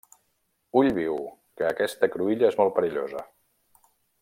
Ull viu!, que aquesta cruïlla és molt perillosa.